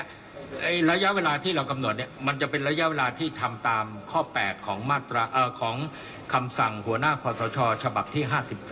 ระยะเวลาที่เรากำหนดเนี่ยมันจะเป็นระยะเวลาที่ทำตามข้อ๘ของคำสั่งหัวหน้าคอสชฉบับที่๕๙